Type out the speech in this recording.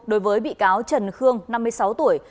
đối với bị cáo trần khương năm mươi sáu tuổi